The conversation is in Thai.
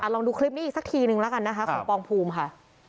ลองดูคลิปนี้อีกสักทีนึงแล้วกันนะคะของปองภูมิค่ะ